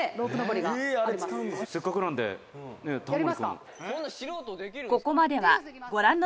「せっかくなんで玉森君も」